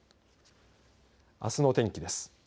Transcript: あすの天気です。